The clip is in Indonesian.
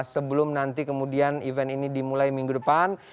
sebelum nanti kemudian event ini dimulai minggu depan